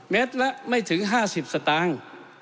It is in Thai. ละไม่ถึง๕๐สตางค์